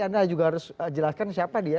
anda juga harus jelaskan siapa dia